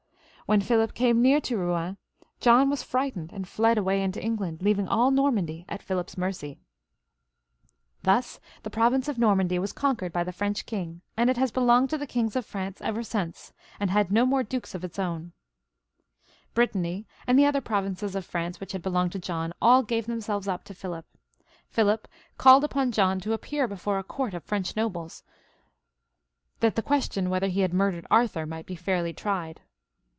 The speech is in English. When Philip came near to Eouen, John was fright ened, and fled away into England, leaving all Normandy at Philip's mercy. Thus the province of Normandy was conquered by the French king, and it has belonged to the kings of France ever since, and had no more dukes of its own, Brittany and the other provinces of France which had belonged to John, all gave themselves up to Philip. Philip called upon John to appear before a court of French nobles, that the question whether he had murdered Arthur might be fairly tried.